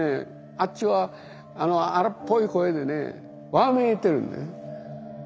あっちは荒っぽい声でねわめいてるんです。